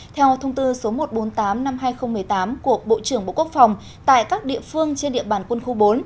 theo thông tư số một trăm bốn mươi tám năm hai nghìn một mươi tám của bộ trưởng bộ quốc phòng tại các địa phương trên địa bàn quân khu bốn